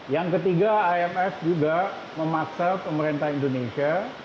yang ketiga imf juga memaksa pemerintah indonesia